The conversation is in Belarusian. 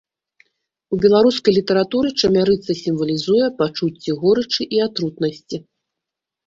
У беларускай літаратуры чамярыца сімвалізуе пачуцці горычы і атрутнасці.